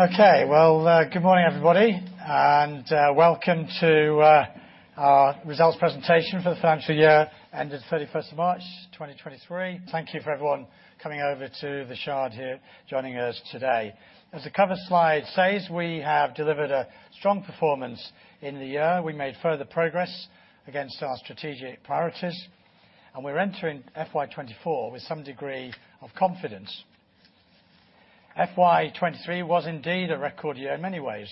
Okay, well, good morning, everybody, welcome to our results presentation for the financial year ending 31st of March, 2023. Thank you for everyone coming over to The Shard here, joining us today. As the cover slide says, we have delivered a strong performance in the year. We made further progress against our strategic priorities. We're entering FY 2024 with some degree of confidence. FY 2023 was indeed a record year in many ways,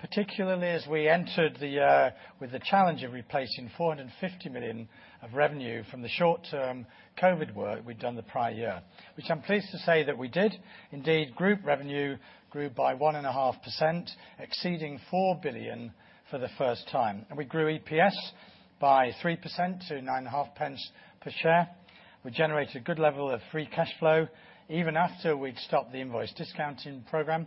particularly as we entered the year with the challenge of replacing 450 million of revenue from the short-term COVID work we'd done the prior year, which I'm pleased to say that we did. Indeed, group revenue grew by 1.5%, exceeding 4 billion for the first time. We grew EPS by 3% to 9.5 pence per share. We generated a good level of free cash flow, even after we'd stopped the invoice discounting program.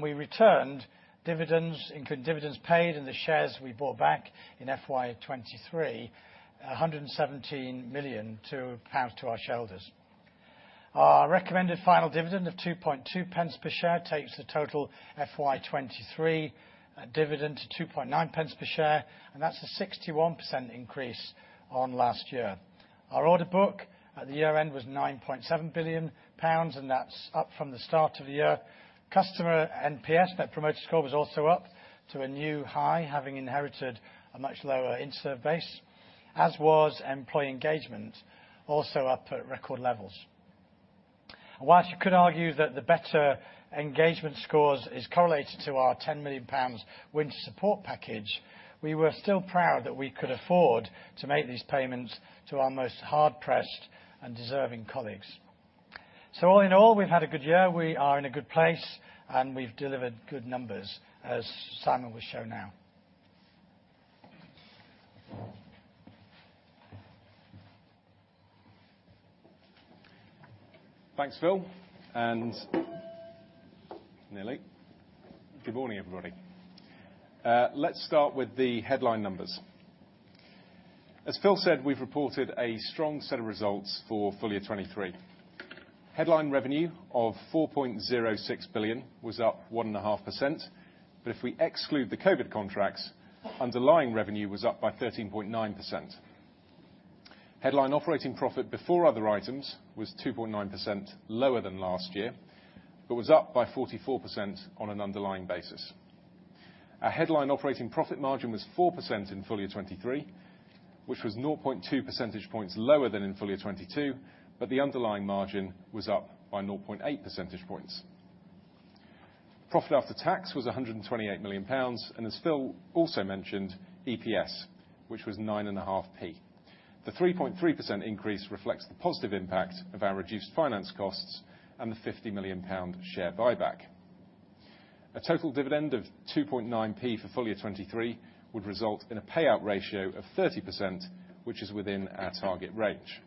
We returned dividends, including dividends paid and the shares we bought back in FY 2023, 117 million pounds to our shareholders. Our recommended final dividend of 2.2 pence per share takes the total FY 2023 dividend to 2.9 pence per share. That's a 61% increase on last year. Our order book at the year-end was 9.7 billion pounds. That's up from the start of the year. Customer NPS, Net Promoter Score, was also up to a new high, having inherited a much lower insert base, as was employee engagement, also up at record levels. While you could argue that the better engagement scores is correlated to our 10 million pounds winter support package, we were still proud that we could afford to make these payments to our most hard-pressed and deserving colleagues. All in all, we've had a good year, we are in a good place, and we've delivered good numbers, as Simon will show now. Thanks, Phil. Good morning, everybody. Let's start with the headline numbers. As Phil said, we've reported a strong set of results for full year 2023. Headline revenue of 4.06 billion was up 1.5%, but if we exclude the COVID contracts, underlying revenue was up by 13.9%. Headline operating profit before other items was 2.9% lower than last year, but was up by 44% on an underlying basis. Our headline operating profit margin was 4% in full year 2023, which was 0.2 percentage points lower than in full year 2022, but the underlying margin was up by 0.8 percentage points. Profit after tax was 128 million pounds, and as Phil also mentioned, EPS, which was 9.5p. The 3.3% increase reflects the positive impact of our reduced finance costs and the 50 million pound share buyback. A total dividend of 2.9p for full year 2023 would result in a payout ratio of 30%, which is within our target range.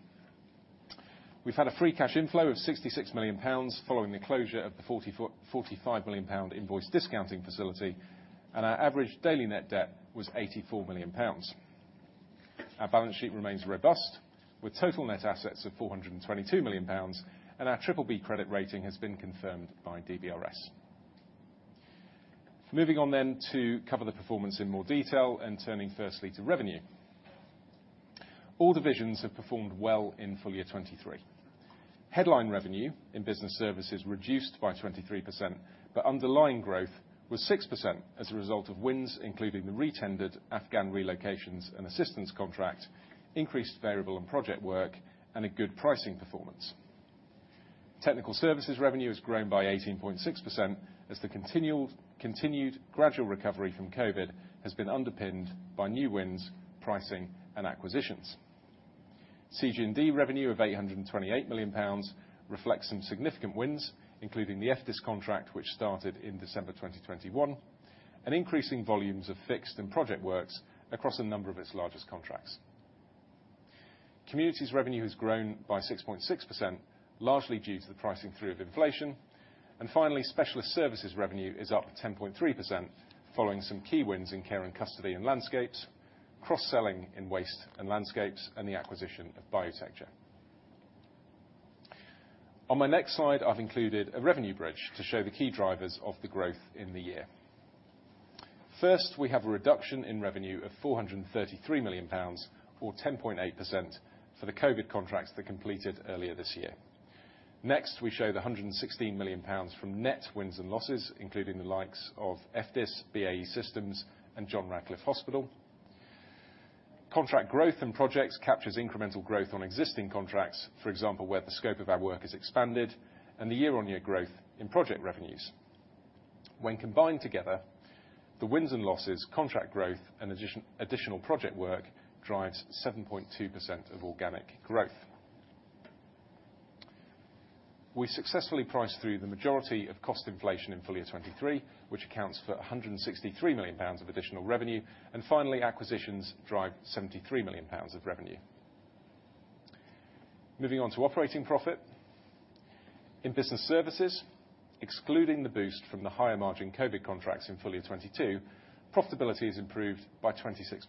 We've had a free cash inflow of 66 million pounds following the closure of the GBP 44, 45 million pound invoice discounting facility, and our average daily net debt was 84 million pounds. Our balance sheet remains robust, with total net assets of 422 million pounds, and our BBB credit rating has been confirmed by DBRS. Moving on to cover the performance in more detail and turning firstly to revenue. All divisions have performed well in full year 2023. Headline revenue in business services reduced by 23%, but underlying growth was 6% as a result of wins, including the re-tendered Afghan Relocations and Assistance contract, increased variable and project work, and a good pricing performance. Technical services revenue has grown by 18.6%, as the continued gradual recovery from COVID has been underpinned by new wins, pricing, and acquisitions. CG&D revenue of 828 million pounds reflects some significant wins, including the FDIS contract, which started in December 2021, and increasing volumes of fixed and project works across a number of its largest contracts. Communities revenue has grown by 6.6%, largely due to the pricing through of inflation. Finally, specialist services revenue is up 10.3%, following some key wins in care and custody and landscapes, cross-selling in waste and landscapes, and the acquisition of Biotecture. On my next slide, I've included a revenue bridge to show the key drivers of the growth in the year. First, we have a reduction in revenue of 433 million pounds, or 10.8%, for the COVID contracts that completed earlier this year. Next, we show the 116 million pounds from net wins and losses, including the likes of FDIS, BAE Systems, and John Radcliffe Hospital. Contract growth and projects captures incremental growth on existing contracts, for example, where the scope of our work is expanded and the year-on-year growth in project revenues. When combined together, the wins and losses, contract growth, and additional project work drives 7.2% of organic growth. We successfully priced through the majority of cost inflation in full year 2023, which accounts for 163 million pounds of additional revenue. Finally, acquisitions drive 73 million pounds of revenue. Moving on to operating profit. In business services, excluding the boost from the higher margin COVID contracts in full year 2022, profitability is improved by 26%.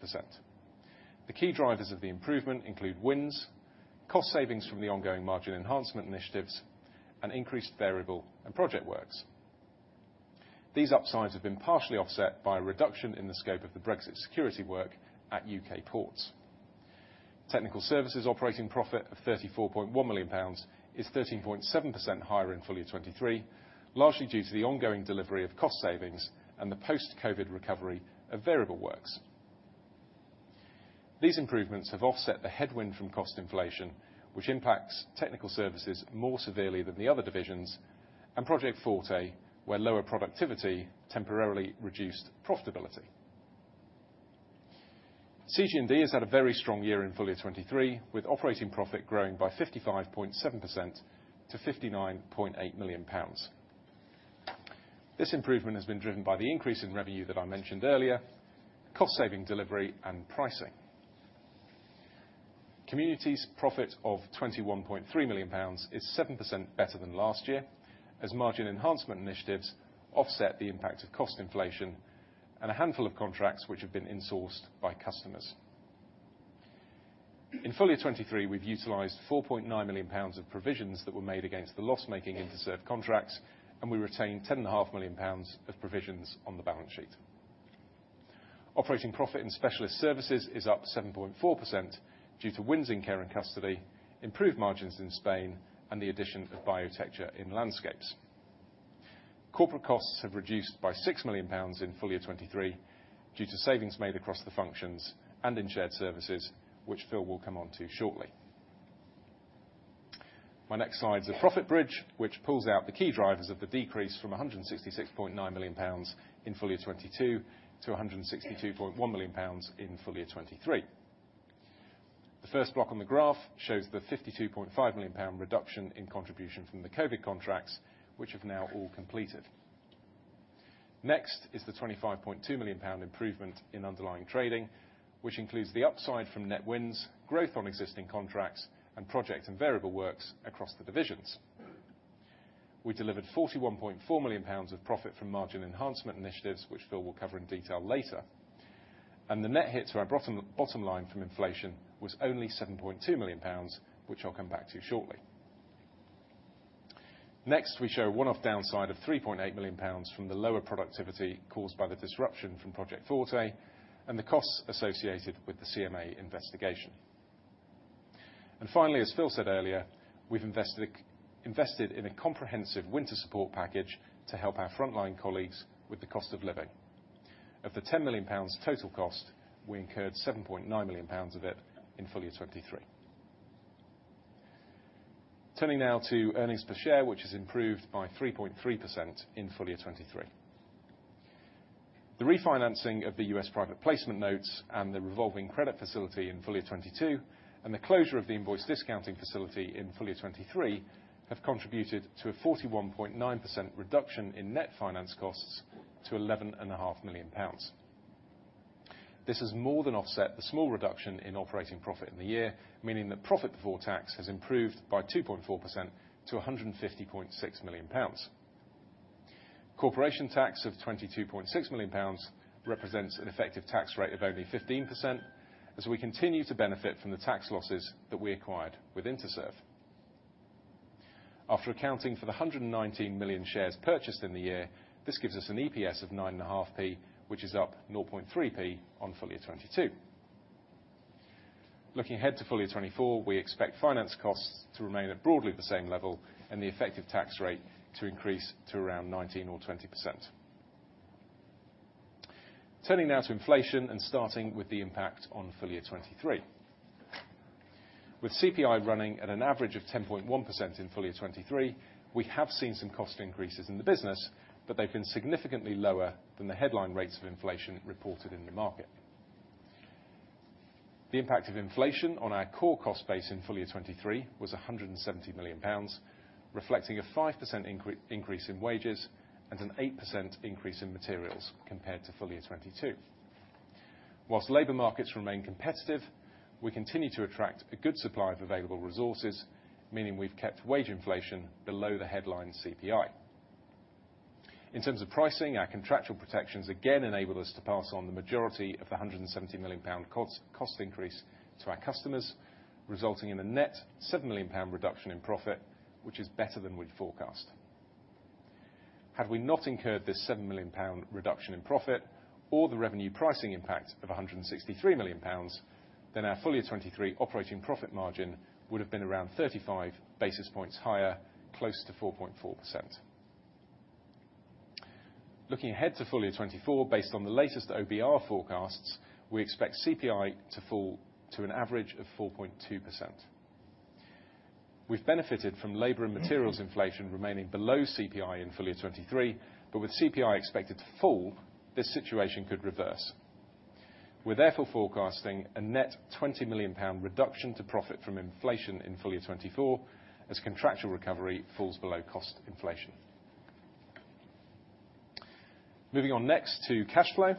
The key drivers of the improvement include wins, cost savings from the ongoing margin enhancement initiatives, and increased variable and project works. These upsides have been partially offset by a reduction in the scope of the Brexit security work at U.K. ports. Technical services operating profit of GBP 34.1 million is 13.7% higher in full year 2023, largely due to the ongoing delivery of cost savings and the post-COVID recovery of variable works. These improvements have offset the headwind from cost inflation, which impacts technical services more severely than the other divisions, and Project Forte, where lower productivity temporarily reduced profitability. CG&D has had a very strong year in full year 2023, with operating profit growing by 55.7% to 59.8 million pounds. This improvement has been driven by the increase in revenue that I mentioned earlier, cost saving delivery, and pricing. Communities profit of 21.3 million pounds is 7% better than last year, as margin enhancement initiatives offset the impact of cost inflation and a handful of contracts which have been insourced by customers. In full year 2023, we've utilized 4.9 million pounds of provisions that were made against the loss-making Interserve contracts, and we retained 10 and a half million pounds of provisions on the balance sheet. Operating profit in specialist services is up 7.4% due to wins in care and custody, improved margins in Spain, and the addition of Biotecture in landscapes. Corporate costs have reduced by 6 million pounds in full year 2023 due to savings made across the functions and in shared services, which Phil will come onto shortly. My next slide is a profit bridge, which pulls out the key drivers of the decrease from 166.9 million pounds in full year 2022 to 162.1 million pounds in full year 2023. The first block on the graph shows the 52.5 million pound reduction in contribution from the COVID contracts, which have now all completed. The 25.2 million pound improvement in underlying trading, which includes the upside from net wins, growth on existing contracts, and project and variable works across the divisions. We delivered 41.4 million pounds of profit from margin enhancement initiatives, which Phil will cover in detail later. The net hit to our bottom line from inflation was only 7.2 million pounds, which I'll come back to shortly. We show one-off downside of 3.8 million pounds from the lower productivity caused by the disruption from Project Forte, and the costs associated with the CMA investigation. Finally, as Phil said earlier, we've invested in a comprehensive winter support package to help our frontline colleagues with the cost of living. Of the 10 million pounds total cost, we incurred 7.9 million pounds of it in full year 2023. Turning now to earnings per share, which has improved by 3.3% in full year 2023. The refinancing of the U.S. Private Placement notes and the revolving credit facility in full year 2022, and the closure of the invoice discounting facility in full year 2023, have contributed to a 41.9% reduction in net finance costs to eleven and a half million pounds. This has more than offset the small reduction in operating profit in the year, meaning the profit before tax has improved by 2.4% to 150.6 million pounds. Corporation tax of 22.6 million pounds represents an effective tax rate of only 15%, as we continue to benefit from the tax losses that we acquired with Interserve. After accounting for the 119 million shares purchased in the year, this gives us an EPS of 0.095, which is up 0.003 on full year 2022. Looking ahead to full year 2024, we expect finance costs to remain at broadly the same level and the effective tax rate to increase to around 19% or 20%. Turning now to inflation, starting with the impact on full year 2023. With CPI running at an average of 10.1% in full year 2023, we have seen some cost increases in the business, but they've been significantly lower than the headline rates of inflation reported in the market. The impact of inflation on our core cost base in full year 2023 was 170 million pounds, reflecting a 5% increase in wages and an 8% increase in materials compared to full year 2022. Whilst labor markets remain competitive, we continue to attract a good supply of available resources, meaning we've kept wage inflation below the headline CPI. In terms of pricing, our contractual protections again enabled us to pass on the majority of the GBP 170 million cost increase to our customers, resulting in a net GBP 7 million reduction in profit, which is better than we'd forecast. Had we not incurred this 7 million pound reduction in profit or the revenue pricing impact of 163 million pounds, then our full year 2023 operating profit margin would have been around 35 basis points higher, close to 4.4%. Looking ahead to full year 2024, based on the latest OBR forecasts, we expect CPI to fall to an average of 4.2%. We've benefited from labor and materials inflation remaining below CPI in full year 2023, with CPI expected to fall, this situation could reverse. We're therefore forecasting a net 20 million pound reduction to profit from inflation in full year 2024, as contractual recovery falls below cost inflation. Moving on next to cash flow.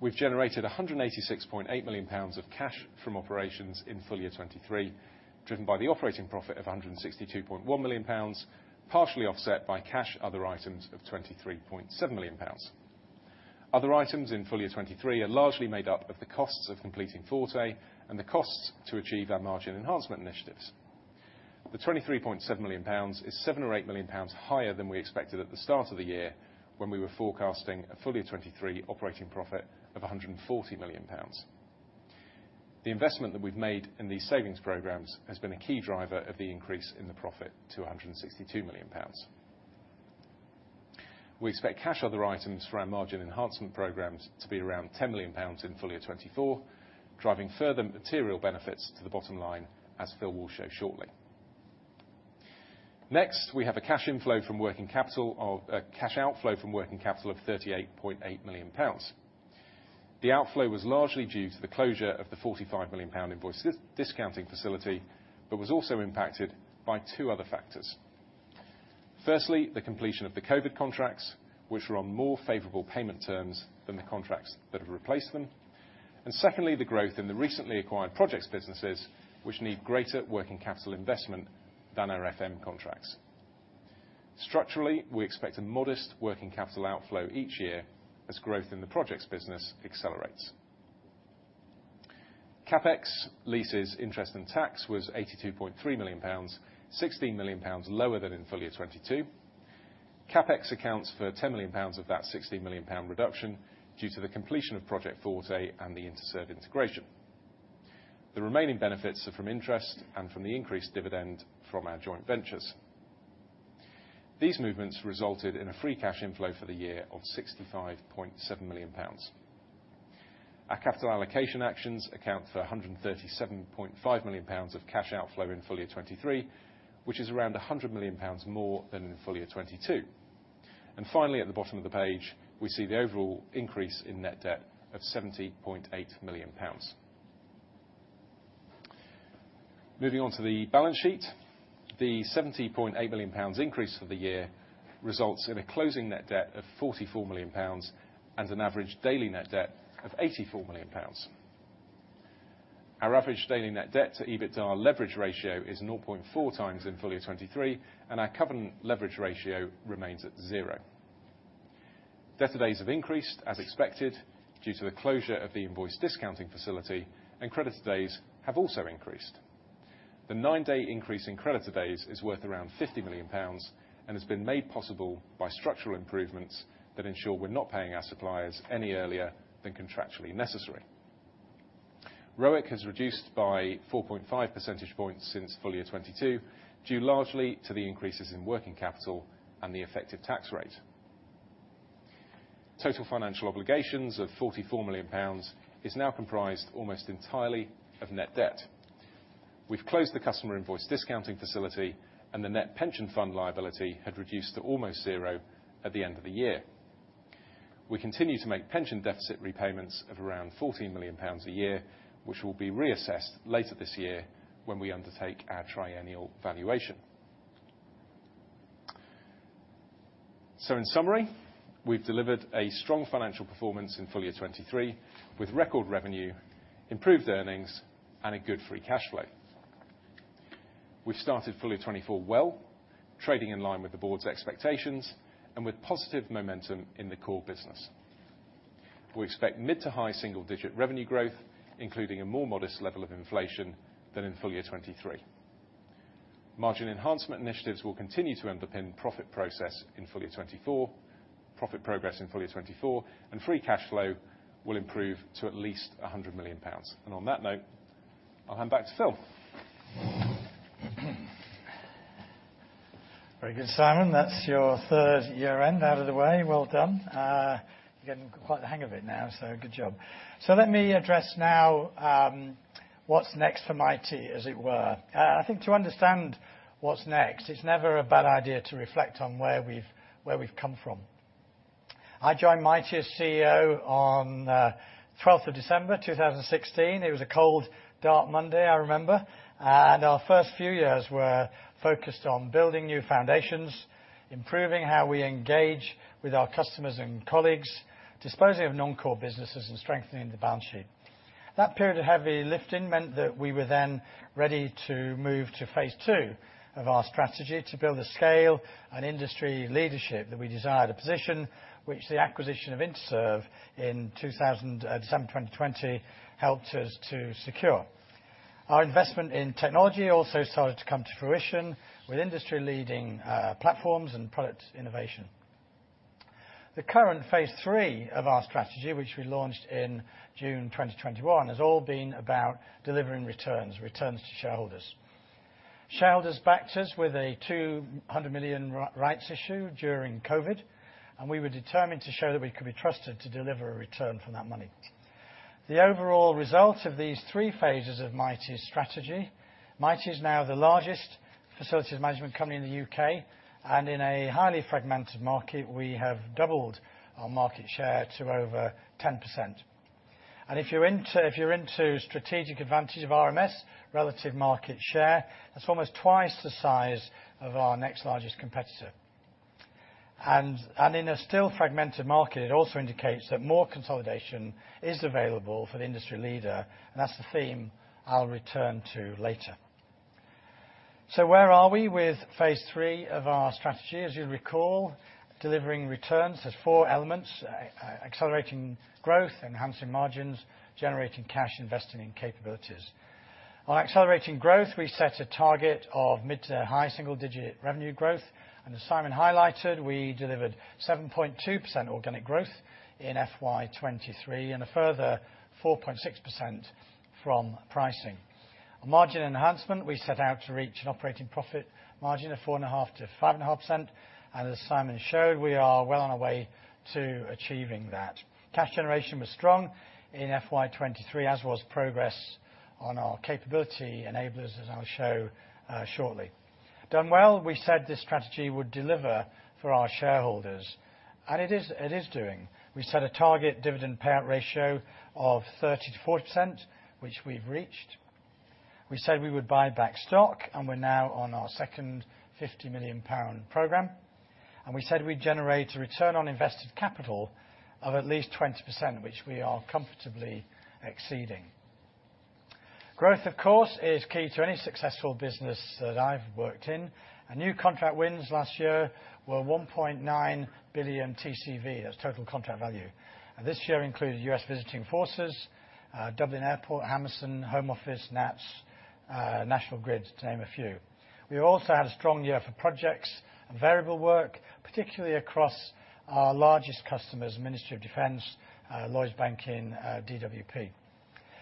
We've generated 186.8 million pounds of cash. from operations in full year 2023, driven by the operating profit of 162.1 million pounds, partially offset by cash other items of 23.7 million pounds. Other items in full year 2023 are largely made up of the costs of completing Forte and the costs to achieve our margin enhancement initiatives. The 23.7 million pounds is 7 million or 8 million pounds higher than we expected at the start of the year, when we were forecasting a full year 2023 operating profit of 140 million pounds. The investment that we've made in these savings programs has been a key driver of the increase in the profit to 162 million pounds. We expect cash other items for our margin enhancement programs to be around 10 million pounds in full year 2024, driving further material benefits to the bottom line, as Phil will show shortly. Next, we have a cash outflow from working capital of 38.8 million pounds. The outflow was largely due to the closure of the 45 million pound invoice discounting facility, but was also impacted by two other factors. Firstly, the completion of the COVID contracts, which were on more favorable payment terms than the contracts that have replaced them. Secondly, the growth in the recently acquired projects businesses, which need greater working capital investment than our FM contracts. Structurally, we expect a modest working capital outflow each year as growth in the projects business accelerates. CapEx, leases, interest, and tax was 82.3 million pounds, 16 million pounds lower than in full year 2022. CapEx accounts for 10 million pounds of that 16 million pound reduction due to the completion of Project Forte and the Interserve integration. The remaining benefits are from interest and from the increased dividend from our joint ventures. These movements resulted in a free cash inflow for the year of 65.7 million pounds. Our capital allocation actions account for 137.5 million pounds of cash outflow in full year 2023, which is around 100 million pounds more than in full year 2022. Finally, at the bottom of the page, we see the overall increase in net debt of 70.8 million pounds. Moving on to the balance sheet. The 70.8 million pounds increase for the year results in a closing net debt of 44 million pounds and an average daily net debt of 84 million pounds. Our average daily net debt to EBITDA leverage ratio is 0.4 times in full year 2023. Our covenant leverage ratio remains at 0. Debtor days have increased, as expected, due to the closure of the invoice discounting facility. Creditor days have also increased. The 9-day increase in creditor days is worth around 50 million pounds and has been made possible by structural improvements that ensure we're not paying our suppliers any earlier than contractually necessary. ROIC has reduced by 4.5 percentage points since full year 2022, due largely to the increases in working capital and the effective tax rate. Total financial obligations of 44 million pounds is now comprised almost entirely of net debt. We've closed the customer invoice discounting facility. The net pension fund liability had reduced to almost zero at the end of the year. We continue to make pension deficit repayments of around 40 million pounds a year, which will be reassessed later this year when we undertake our triennial valuation. In summary, we've delivered a strong financial performance in full year 2023, with record revenue, improved earnings, and a good free cash flow. We've started full year 2024 well, trading in line with the board's expectations and with positive momentum in the core business. We expect mid to high single-digit revenue growth, including a more modest level of inflation than in full year 2023. Margin enhancement initiatives will continue to underpin profit progress in full year 2024, and free cash flow will improve to at least 100 million pounds. On that note, I'll hand back to Phil. Very good, Simon. That's your third year end out of the way. Well done. You're getting quite the hang of it now, good job. Let me address now, what's next for Mitie, as it were. I think to understand what's next, it's never a bad idea to reflect on where we've come from. I joined Mitie as CEO on 12th of December 2016. It was a cold, dark Monday, I remember, and our first few years were focused on building new foundations, improving how we engage with our customers and colleagues, disposing of non-core businesses, and strengthening the balance sheet. That period of heavy lifting meant that we were then ready to move to phase 2 of our strategy to build the scale and industry leadership that we desired, a position which the acquisition of Interserve in December 2020 helped us to secure. Our investment in technology also started to come to fruition with industry-leading platforms and product innovation. The current phase 3 of our strategy, which we launched in June 2021, has all been about delivering returns to shareholders. Shareholders backed us with a 200 million rights issue during COVID, and we were determined to show that we could be trusted to deliver a return from that money. The overall result of these three phases of Mitie's strategy, Mitie is now the largest facilities management company in the UK, and in a highly fragmented market, we have doubled our market share to over 10%. If you're into strategic advantage of RMS, relative market share, that's almost twice the size of our next largest competitor. In a still fragmented market, it also indicates that more consolidation is available for the industry leader, and that's the theme I'll return to later. Where are we with phase three of our strategy? As you'll recall, delivering returns has 4 elements: accelerating growth, enhancing margins, generating cash, investing in capabilities. On accelerating growth, we set a target of mid to high single-digit revenue growth. As Simon highlighted, we delivered 7.2% organic growth in FY 2023, and a further 4.6% from pricing. On margin enhancement, we set out to reach an operating profit margin of 4.5%-5.5%. As Simon showed, we are well on our way to achieving that. Cash generation was strong in FY 2023, as was progress on our capability enablers, as I'll show shortly. Done well, we said this strategy would deliver for our shareholders. It is doing. We set a target dividend payout ratio of 30%-40%, which we've reached. We said we would buy back stock. We're now on our second 50 million pound program. We said we'd generate a return on invested capital of at least 20%, which we are comfortably exceeding. Growth, of course, is key to any successful business that I've worked in. Our new contract wins last year were 1.9 billion TCV, that's total contract value. This year included US visiting forces, Dublin Airport, Amazon, Home Office, NATS, National Grid, to name a few. We also had a strong year for projects and variable work, particularly across our largest customers, Ministry of Defence, Lloyds Banking, DWP.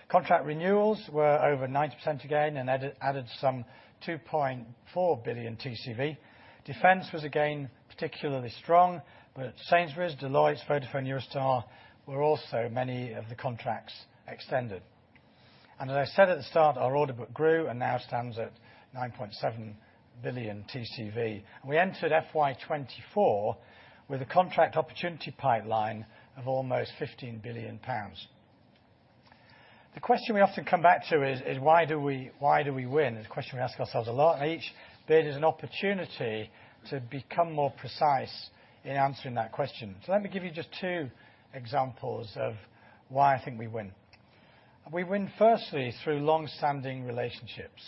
Contract renewals were over 90% again and added some 2.4 billion TCV. Defence was again particularly strong, but Sainsbury's, Deloitte, Vodafone, Eurostar were also many of the contracts extended. As I said at the start, our order book grew and now stands at 9.7 billion TCV. We entered FY 2024 with a contract opportunity pipeline of almost 15 billion pounds. The question we often come back to is, why do we win? It's a question we ask ourselves a lot. Each bit is an opportunity to become more precise in answering that question. Let me give you just two examples of why I think we win. We win, firstly, through long-standing relationships.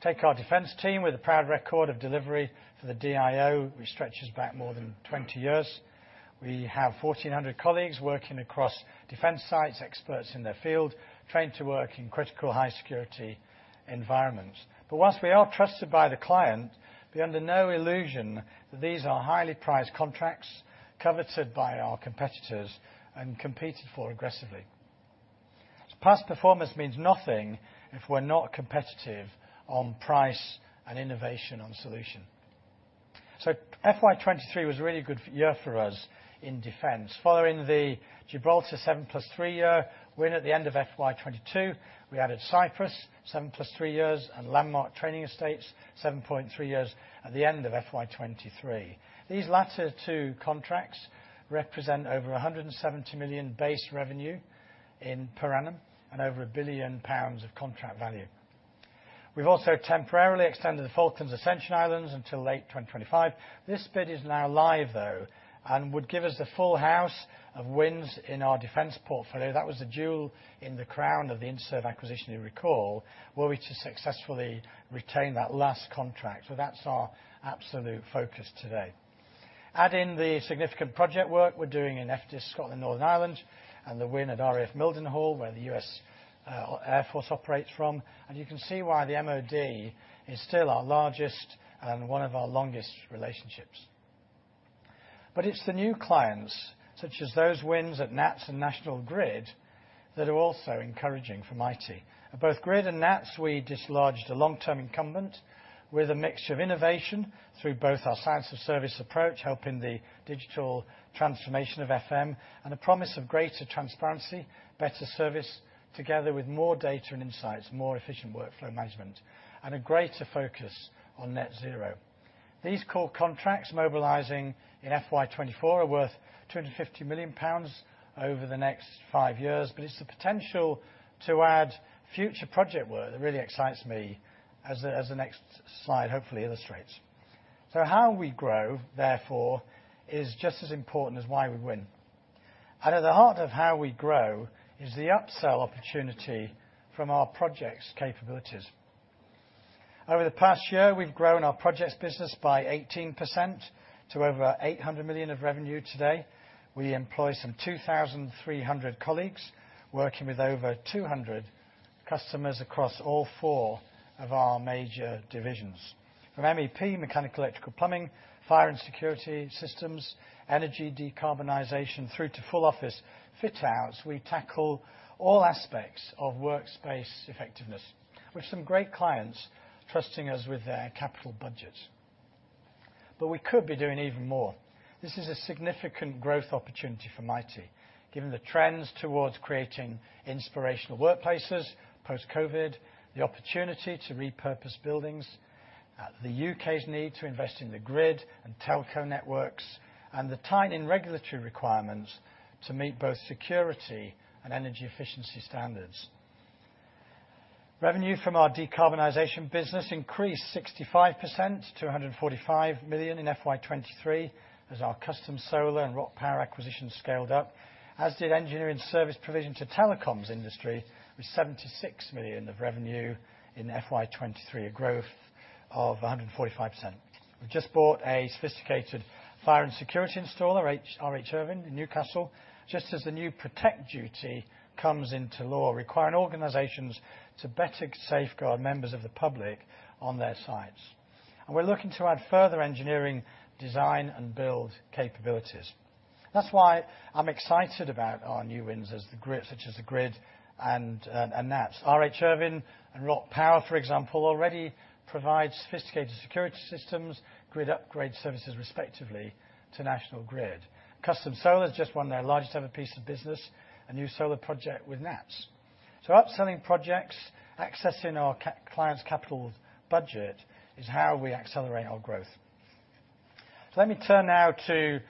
Take our Defence team with a proud record of delivery for the DIO, which stretches back more than 20 years. We have 1,400 colleagues working across Defence sites, experts in their field, trained to work in critical high-security environments. Whilst we are trusted by the client, be under no illusion, these are highly prized contracts, coveted by our competitors and competed for aggressively. Past performance means nothing if we're not competitive on price and innovation on solution. FY 2023 was a really good year for us in defense. Following the Gibraltar +3-year win at the end of FY 2022, we added Cyprus, 7+3 years, and Landmarc Support Services, 7.3 years at the end of FY 2023. These latter two contracts represent over 170 million base revenue per annum and over 1 billion pounds of contract value. We've also temporarily extended the Falklands Ascension Islands until late 2025. This bid is now live, though, and would give us the full house of wins in our defense portfolio. That was the jewel in the crown of the Interserve acquisition, you recall, were we to successfully retain that last contract. That's our absolute focus today. Add in the significant project work we're doing in FDIS, Scotland, and Northern Ireland, and the win at RAF Mildenhall, where the US Air Force operates from. You can see why the MOD is still our largest and one of our longest relationships. It's the new clients, such as those wins at NATS and National Grid, that are also encouraging for Mitie. At both Grid and NATS, we dislodged a long-term incumbent with a mixture of innovation through both our Science of Service approach, helping the digital transformation of FM, and a promise of greater transparency, better service, together with more data and insights, more efficient workflow management, and a greater focus on net zero. These core contracts, mobilizing in FY 2024, are worth 250 million pounds over the next 5 years, but it's the potential to add future project work that really excites me as the next slide hopefully illustrates. How we grow, therefore, is just as important as why we win. At the heart of how we grow is the upsell opportunity from our projects capabilities. Over the past year, we've grown our projects business by 18% to over 800 million of revenue today. We employ some 2,300 colleagues, working with over 200 customers across all 4 of our major divisions. From MEP, mechanical, electrical, plumbing, fire and security systems, energy decarbonization, through to full office fit outs, we tackle all aspects of workspace effectiveness, with some great clients trusting us with their capital budgets. We could be doing even more. This is a significant growth opportunity for Mitie, given the trends towards creating inspirational workplaces, post-COVID, the opportunity to repurpose buildings, the UK's need to invest in the grid and telco networks, and the tightening regulatory requirements to meet both security and energy efficiency standards. Revenue from our decarbonization business increased 65% to 145 million in FY 2023, as our Custom Solar and Rock Power Connections acquisition scaled up, as did engineering service provision to telecoms industry, with 76 million of revenue in FY 2023, a growth of 145%. We've just bought a sophisticated fire and security installer, R.H. Irving, in Newcastle, just as the new Protect Duty comes into law, requiring organizations to better safeguard members of the public on their sites. We're looking to add further engineering, design, and build capabilities. That's why I'm excited about our new wins as the grid, such as the grid and NATS. R.H. Irving and Rockpower, for example, already provide sophisticated security systems, grid upgrade services, respectively, to National Grid. Custom Solar has just won their largest ever piece of business, a new solar project with NATS. Upselling projects, accessing our clients' capital budget is how we accelerate our growth. Let me turn now to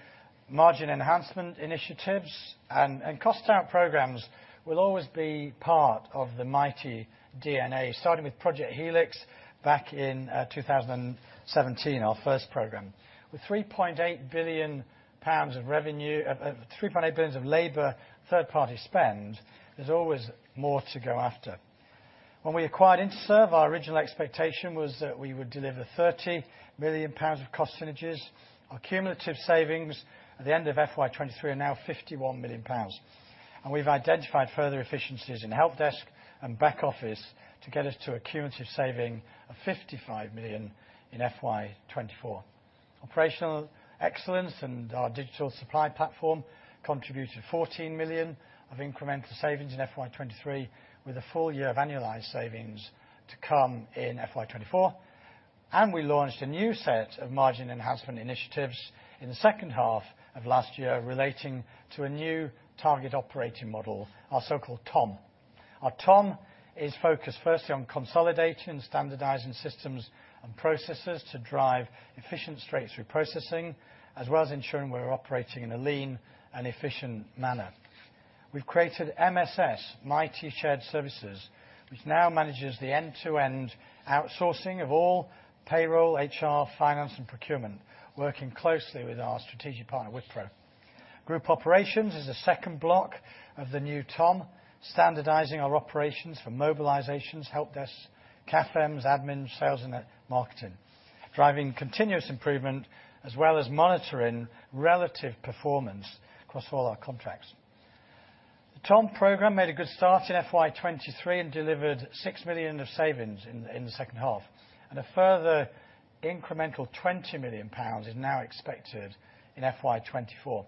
margin enhancement initiatives, and cost out programs will always be part of the Mitie DNA, starting with Project Helix back in 2017, our first program. With 3.8 billion pounds of revenue, 3.8 billion of labor, third-party spend, there's always more to go after. When we acquired Interserve, our original expectation was that we would deliver 30 million pounds of cost synergies. Our cumulative savings at the end of FY 2023 are now 51 million pounds, We've identified further efficiencies in helpdesk and back office to get us to a cumulative saving of 55 million in FY 2024. Operational excellence and our digital supply platform contributed 14 million of incremental savings in FY 2023, with a full year of annualized savings to come in FY 2024. We launched a new set of margin enhancement initiatives in the second half of last year, relating to a new target operating model, our so-called TOM. Our TOM is focused firstly on consolidating and standardizing systems and processes to drive efficient straight-through processing, as well as ensuring we're operating in a lean and efficient manner. We've created MSS, Mitie Shared Services, which now manages the end-to-end outsourcing of all payroll, HR, finance, and procurement, working closely with our strategic partner, Wipro. Group Operations is the second block of the new TOM, standardizing our operations for mobilizations, helpdesk, CAFM, admin, sales, and marketing, driving continuous improvement, as well as monitoring relative performance across all our contracts. The TOM program made a good start in FY 2023 and delivered 6 million of savings in the second half. A further incremental 20 million pounds is now expected in FY 2024.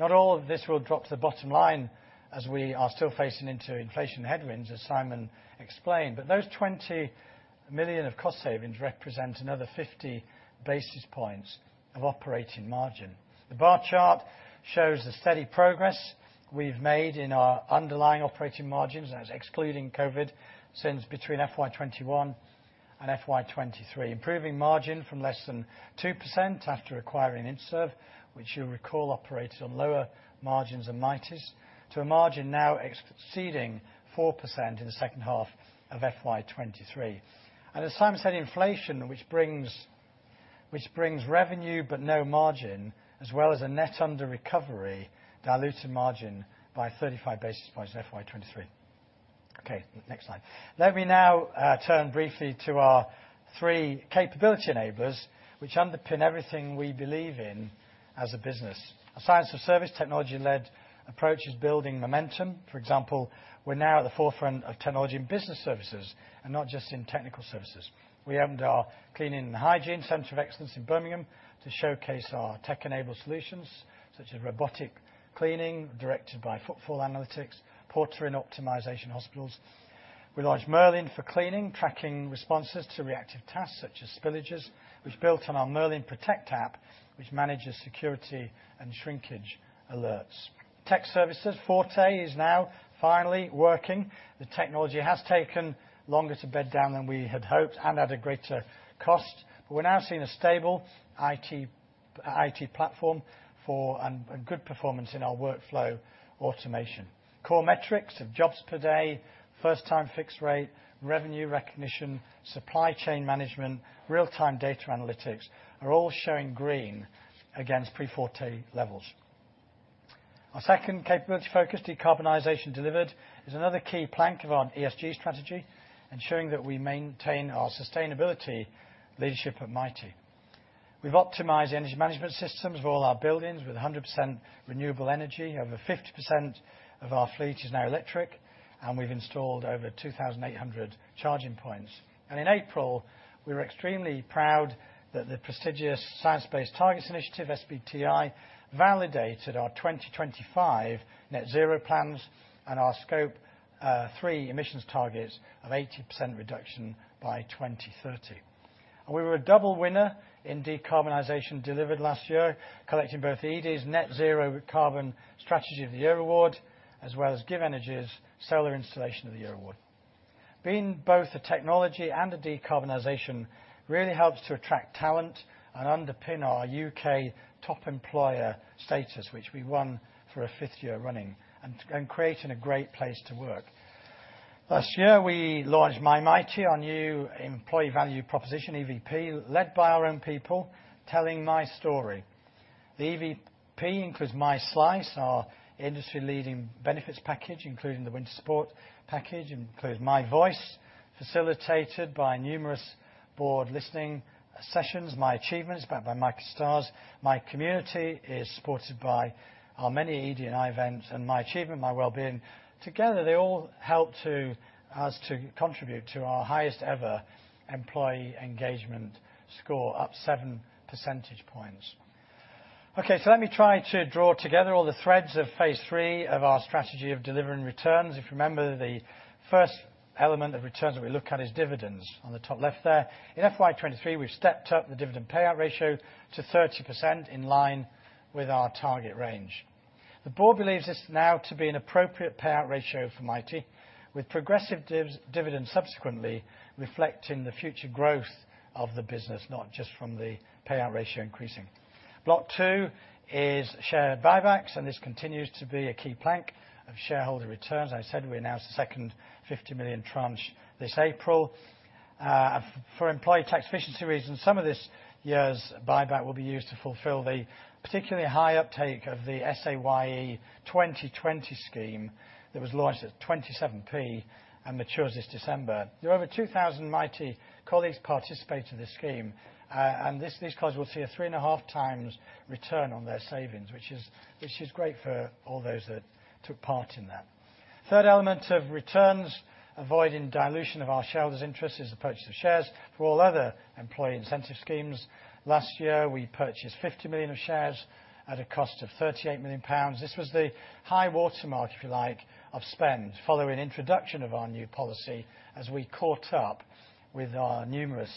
Not all of this will drop to the bottom line, as we are still facing into inflation headwinds, as Simon explained, but those 20 million of cost savings represent another 50 basis points of operating margin. The bar chart shows the steady progress we've made in our underlying operating margins, that's excluding COVID, since between FY 2021 and FY 2023, improving margin from less than 2% after acquiring Interserve, which you'll recall, operated on lower margins than Mitie's, to a margin now exceeding 4% in the second half of FY 2023. As Simon said, inflation, which brings revenue, but no margin, as well as a net under recovery, diluted margin by 35 basis points in FY 2023. Okay, next slide. Let me now turn briefly to our three capability enablers, which underpin everything we believe in as a business. A Science of Service, technology-led approach is building momentum. For example, we're now at the forefront of technology and business services, and not just in technical services. We opened our cleaning and hygiene center of excellence in Birmingham to showcase our tech-enabled solutions, such as robotic cleaning, directed by footfall analytics, porter and optimization hospitals. We launched Merlin Connect, tracking responses to reactive tasks, such as spillages, which built on our Merlin Protect 24/7, which manages security and shrinkage alerts. Tech Services, Forte, is now finally working. The technology has taken longer to bed down than we had hoped and at a greater cost, but we're now seeing a stable IT platform and good performance in our workflow automation. Core metrics of jobs per day, first-time fix rate, revenue recognition, supply chain management, real-time data analytics are all showing green against pre-Forte levels. Our second capability focus, Decarbonization Delivered, is another key plank of our ESG strategy, ensuring that we maintain our sustainability leadership at Mitie. We've optimized energy management systems for all our buildings with 100% renewable energy. Over 50% of our fleet is now electric, and we've installed over 2,800 charging points. In April, we were extremely proud that the prestigious Science Based Targets initiative, SBTi, validated our 2025 net zero plans and our scope 3 emissions targets of 80% reduction by 2030. We were a double winner in Decarbonisation Delivered last year, collecting both the edie Net-Zero Carbon Strategy of the Year award, as well as GivEnergy's Solar Installation of the Year award. Being both a technology and a decarbonization really helps to attract talent and underpin our UK top employer status, which we won for a fifth year running, and creating a great place to work. Last year, we launched My Mitie, our new employee value proposition, EVP, led by our own people telling my story. The EVP includes My Slice, our industry-leading benefits package, including the winter sport package, My Voice, facilitated by numerous board listening sessions, My Achievements, backed by My Stars. My Community is supported by our many ED&I events, and My Achievement, My Wellbeing. Together, they all help us to contribute to our highest ever employee engagement score, up 7 percentage points. Let me try to draw together all the threads of phase 3 of our strategy of delivering returns. If you remember, the first element of returns that we look at is dividends. On the top left there, in FY 23, we've stepped up the dividend payout ratio to 30% in line with our target range. The board believes this now to be an appropriate payout ratio for Mitie, with progressive dividend subsequently reflecting the future growth of the business, not just from the payout ratio increasing. Block two is share buybacks, and this continues to be a key plank of shareholder returns. As I said, we announced the second 50 million tranche this April. For employee tax efficiency reasons, some of this year's buyback will be used to fulfill the particularly high uptake of the SAYE 2020 scheme that was launched at 27 P and matures this December. There are over 2,000 Mitie colleagues participating in this scheme, these colleagues will see a three and a half times return on their savings, which is great for all those that took part in that. Third element of returns, avoiding dilution of our shareholders' interest, is the purchase of shares for all other employee incentive schemes. Last year, we purchased 50 million of shares at a cost of 38 million pounds. This was the high-water mark, if you like, of spend, following introduction of our new policy as we caught up with our numerous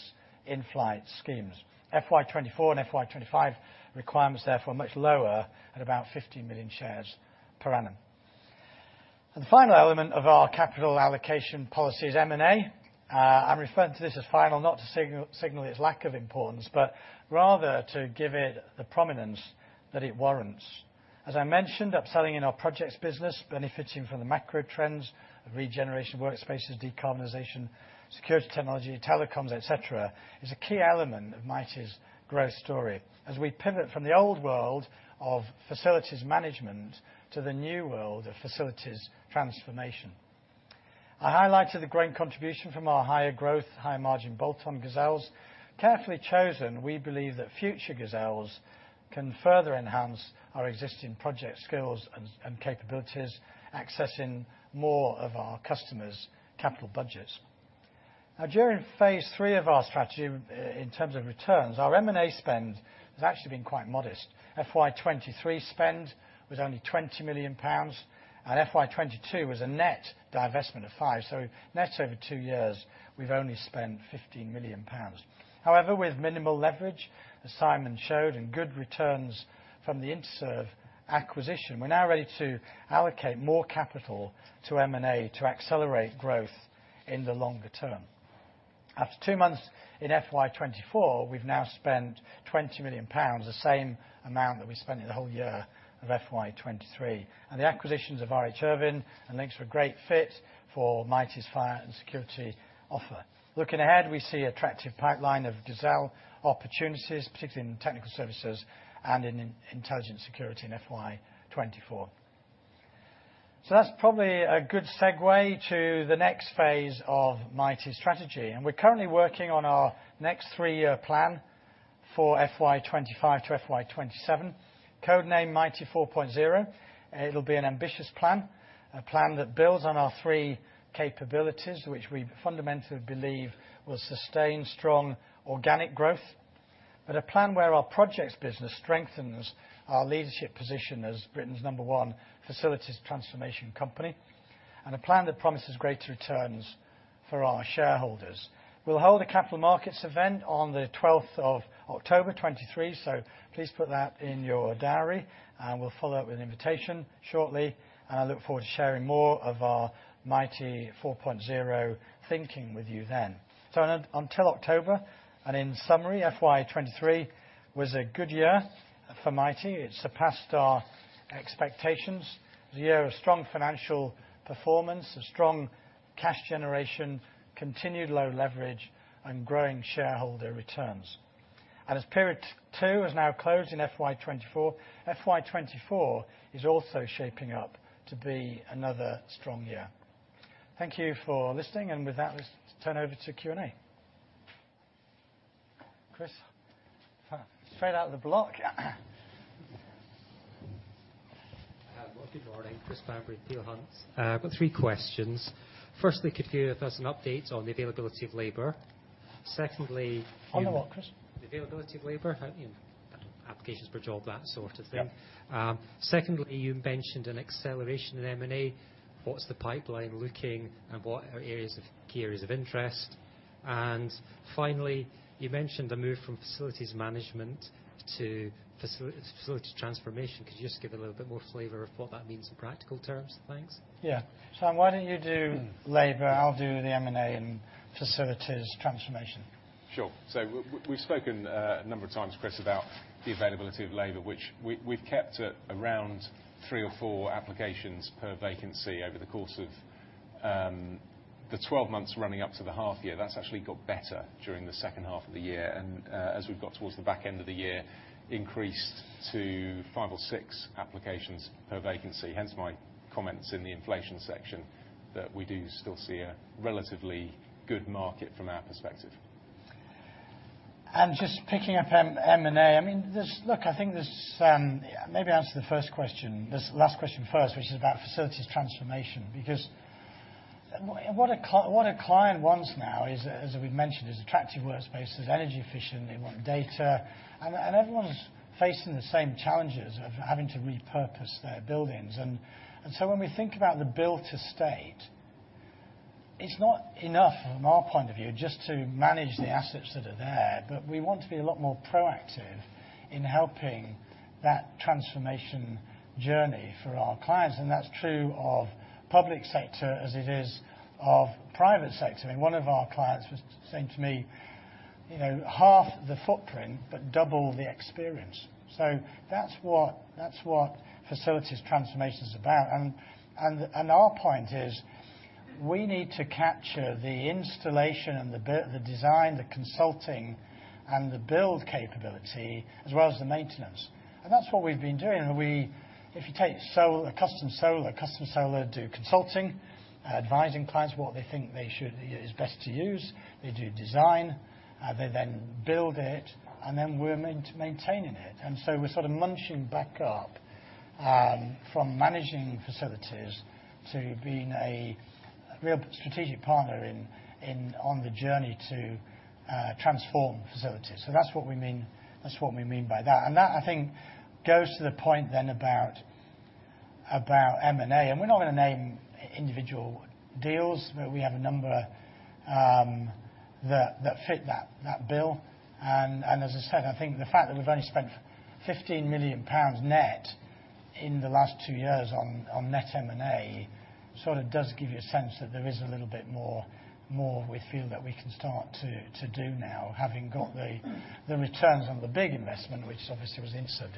in-flight schemes. FY 2024 and FY 2025 requirements, therefore, are much lower at about 15 million shares per annum. The final element of our capital allocation policy is M&A. I'm referring to this as final, not to signal its lack of importance, but rather to give it the prominence that it warrants. I mentioned, upselling in our projects business, benefiting from the macro trends of regeneration, workspaces, decarbonization, security technology, telecoms, et cetera, is a key element of Mitie's growth story as we pivot from the old world of facilities management to the new world of facilities transformation. I highlighted the great contribution from our higher growth, higher margin, bolt-on gazelles. Carefully chosen, we believe that future gazelles can further enhance our existing project skills and capabilities, accessing more of our customers' capital budgets. During phase three of our strategy, in terms of returns, our M&A spend has actually been quite modest. FY 23 spend was only 20 million pounds, and FY 22 was a net divestment of 5 million. Net over two years, we've only spent 15 million pounds. However, with minimal leverage, as Simon showed, and good returns from the Interserve acquisition, we're now ready to allocate more capital to M&A to accelerate growth in the longer term. After 2 months in FY 2024, we've now spent 20 million pounds, the same amount that we spent in the whole year of FY 2023. The acquisitions of R.H. Irving and Linx International Group were a great fit for Mitie's fire and security offer. Looking ahead, we see attractive pipeline of gazelle opportunities, particularly in technical services and in intelligent security in FY 2024. That's probably a good segue to the next phase of Mitie's strategy. We're currently working on our next 3-year plan for FY 2025 to FY 2027, code-named Mitie four point zero. It'll be an ambitious plan, a plan that builds on our three capabilities, which we fundamentally believe will sustain strong organic growth, but a plan where our projects business strengthens our leadership position as Britain's number one facilities transformation company, and a plan that promises greater returns for our shareholders. We'll hold a capital markets event on the 12th of October, 2023, so please put that in your diary, and we'll follow up with an invitation shortly. I look forward to sharing more of our Mitie four point zero thinking with you then. Until October, and in summary, FY 2023 was a good year for Mitie. It surpassed our expectations. It was a year of strong financial performance, a strong cash generation, continued low leverage, and growing shareholder returns. As period 2 has now closed in FY 2024, FY 2024 is also shaping up to be another strong year. Thank you for listening, and with that, let's turn over to Q&A. Chris, straight out the block. Well, good morning. Chris Bamberry, Peel Hunt. I've got three questions. Firstly, could you give us an update on the availability of labor? On the what, Chris? The availability of labor, how, you know, applications per job, that sort of thing. Yep. Secondly, you mentioned an acceleration in M&A. What's the pipeline looking, and what are key areas of interest? Finally, you mentioned the move from facilities management to facilities transformation. Could you just give a little bit more flavor of what that means in practical terms? Thanks. Yeah. Simon, why don't you do labor? I'll do the M&A facilities transformation? Sure. We've spoken a number of times, Chris, about the availability of labor, which we've kept at around three or four applications per vacancy over the course of the 12 months running up to the half year. That's actually got better during the second half of the year, and as we've got towards the back end of the year, increased to five or six applications per vacancy. Hence, my comments in the inflation section, that we do still see a relatively good market from our perspective. Just picking up M&A, I mean, I think there's, maybe answer the first question, this last question first, which is about facilities transformation. What a client wants now is, as we've mentioned, is attractive workspaces, energy efficient, they want data, and everyone's facing the same challenges of having to repurpose their buildings. So when we think about the build to state, it's not enough from our point of view, just to manage the assets that are there, but we want to be a lot more proactive in helping that transformation journey for our clients, and that's true of public sector as it is of private sector. I mean, one of our clients was saying to me, you know, "Half the footprint, but double the experience." So that's what facilities transformation is about. Our point is, we need to capture the installation and the build, the design, the consulting, and the build capability, as well as the maintenance. That's what we've been doing, and we If you take solar, a Custom Solar, Custom Solar do consulting, advising clients what they think they should, is best to use. They do design, they then build it, and then we're maintaining it. So we're sort of munching back up from managing facilities to being a real strategic partner in on the journey to transform facilities. That's what we mean, that's what we mean by that. That, I think, goes to the point then about M&A, and we're not gonna name individual deals, but we have a number that fit that bill. As I said, I think the fact that we've only spent 15 million pounds net in the last two years on net M&A, sort of does give you a sense that there is a little bit more we feel that we can start to do now, having got the returns on the big investment, which obviously was Interserve.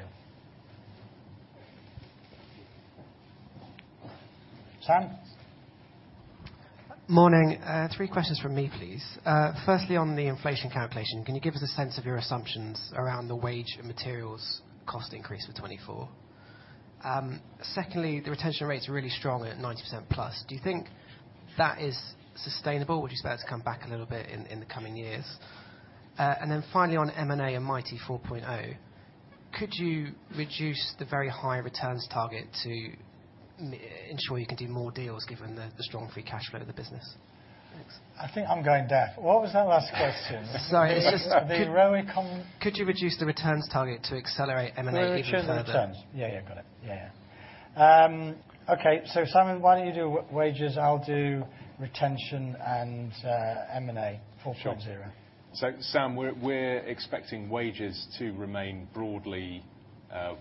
Sam? Morning. Three questions from me, please. Firstly, on the inflation calculation, can you give us a sense of your assumptions around the wage and materials cost increase for 2024? Secondly, the retention rates are really strong at 90%+. Do you think that is sustainable, would you expect that to come back a little bit in the coming years? Finally, on M&A and Mitie four point zero, could you reduce the very high returns target to ensure you can do more deals given the strong free cash flow of the business? Thanks. I think I'm going deaf. What was that last question? Sorry. The ROIC. Could you reduce the returns target to accelerate M&A even further? Return on returns. Yeah, yeah, got it. Yeah, yeah. Okay, Simon, why don't you do wages? I'll do retention and M&A four point zero. Sure. Sam, we're expecting wages to remain broadly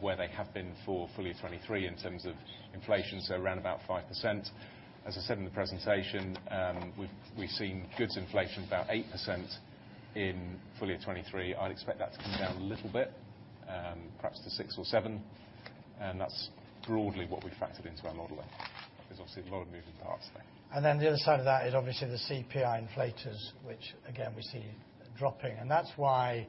where they have been for fully 2023 in terms of inflation, around about 5%. As I said in the presentation, we've seen goods inflation about 8% in fully year 2023. I'd expect that to come down a little bit, perhaps to 6 or 7, and that's broadly what we've factored into our modeling. There's obviously a lot of moving parts there. The other side of that is obviously the CPI inflators, which again, we see dropping. That's why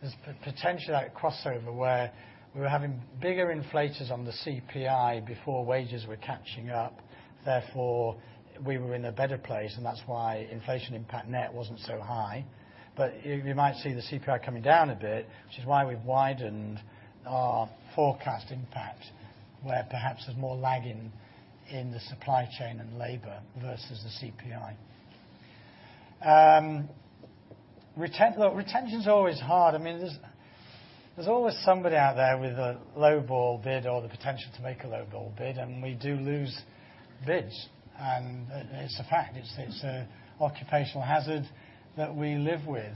there's potentially that crossover where we were having bigger inflators on the CPI before wages were catching up, therefore, we were in a better place, and that's why inflation impact net wasn't so high. You might see the CPI coming down a bit, which is why we've widened our forecast impact, where perhaps there's more lag in the supply chain and labor versus the CPI. Look, retention's always hard. I mean, there's always somebody out there with a low ball bid or the potential to make a low ball bid, and we do lose bids. It's a fact. It's a occupational hazard that we live with.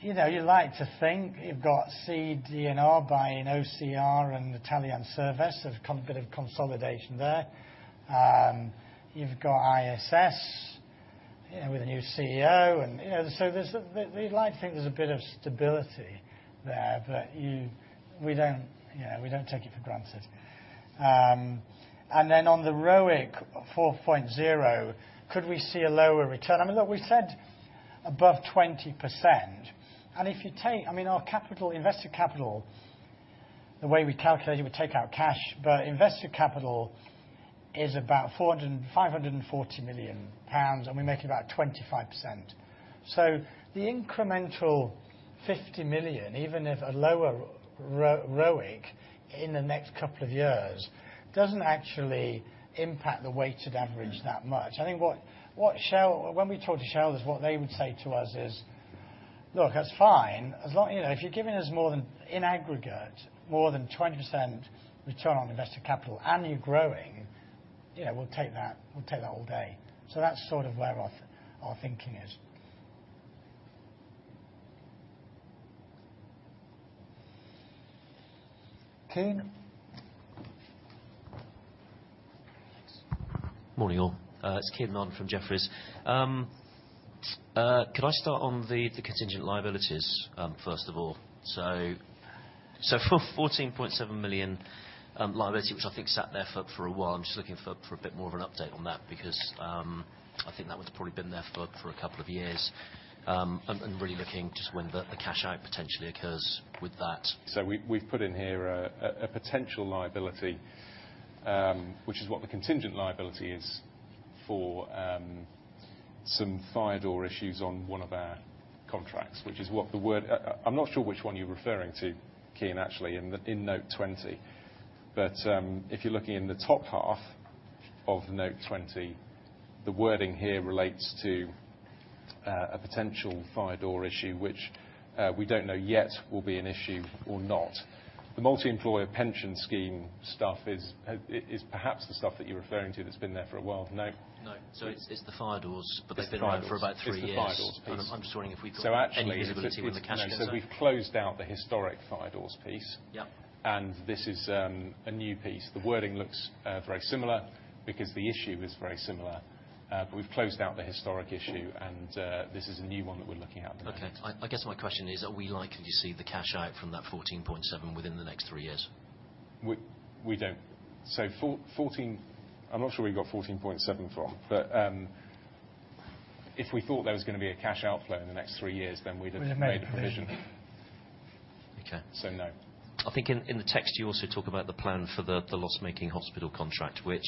You know, you like to think you've got CD&R buying OCS and Atalian Servest, there's a bit of consolidation there. You've got ISS, you know, with a new CEO and, you know, so there's a, we'd like to think there's a bit of stability there, but you, we don't, you know, we don't take it for granted. On the ROIC four point zero, could we see a lower return? I mean, look, we've said above 20%, and I mean, our capital, invested capital, the way we calculate it, we take out cash, but invested capital is about 450 million-540 million pounds, and we make about 25%. The incremental 50 million, even if a lower ROIC in the next couple of years, doesn't actually impact the weighted average that much. I think when we talk to shareholders, what they would say to us is, "Look, that's fine, as long, you know, if you're giving us more than, in aggregate, more than 20% return on invested capital and you're growing, you know, we'll take that all day." That's sort of where our thinking is. Kean? Thanks. Morning, all. It's Kean Marden from Jefferies. Could I start on the contingent liabilities first of all? For 14.7 million liability, which I think sat there for a while, I'm just looking for a bit more of an update on that, because I think that would have probably been there for a couple of years. Really looking just when the cash out potentially occurs with that. We've put in here a potential liability, which is what the contingent liability is for, some fire door issues on one of our contracts. I'm not sure which one you're referring to, Kean, actually, in the, in note 20. If you're looking in the top half of note 20, the wording here relates to a potential fire door issue, which we don't know yet will be an issue or not. The multi-employer pension scheme stuff is perhaps the stuff that you're referring to, that's been there for a while. No? No. It's the fire doors. It's the fire doors. They've been around for about three years. It's the fire doors piece. I'm just wondering if we. So actually- Any visibility with the cash out? We've closed out the historic fire doors piece. Yeah. This is a new piece. The wording looks very similar because the issue is very similar. We've closed out the historic issue, and this is a new one that we're looking at now. Okay. I guess my question is: are we likely to see the cash out from that 14.7 within the next three years? We don't. I'm not sure where you got 14.7 from, but if we thought there was gonna be a cash outflow in the next 3 years, then we'd have made a provision. Okay. No. I think in the text, you also talk about the plan for the loss-making hospital contract, which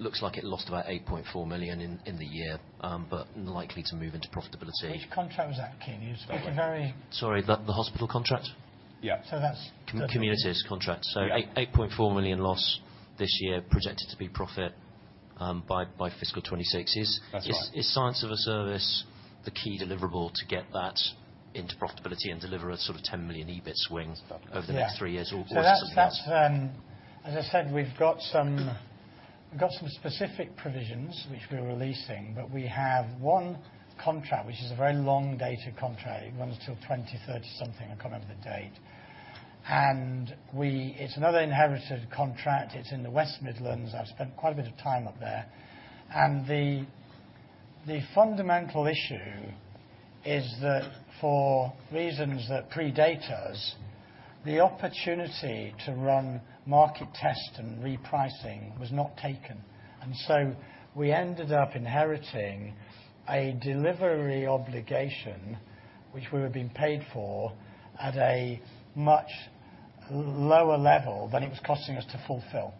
looks like it lost about 8.4 million in the year, but likely to move into profitability. Which contract was that, Kean? You've spoken very- Sorry, the hospital contract. Yeah. that's- Communities contract. Yeah. 8.4 million loss this year, projected to be profit, by fiscal 2026. That's right. Is Science of Service, the key deliverable to get that into profitability and deliver a sort of 10 million EBIT swing? Definitely. over the next three years or something like that? That's. As I said, we've got some specific provisions which we're releasing, but we have one contract, which is a very long-dated contract. It runs till 2030 something, I can't remember the date. It's another inherited contract. It's in the West Midlands. I've spent quite a bit of time up there. The fundamental issue is that for reasons that predate us, the opportunity to run market test and repricing was not taken, we ended up inheriting a delivery obligation, which we were being paid for at a much lower level than it was costing us to fulfill.